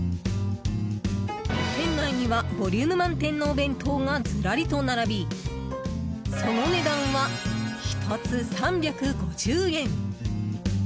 店内には、ボリューム満点なお弁当がずらりと並びその値段は、１つ３５０円。